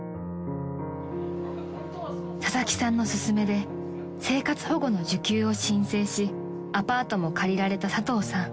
［佐々木さんの勧めで生活保護の受給を申請しアパートも借りられた佐藤さん］